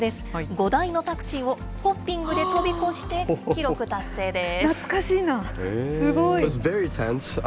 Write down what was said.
５台のタクシーをホッピングで飛び越して、記録達成です。